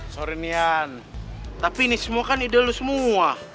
sorry nian tapi ini semua kan ide lo semua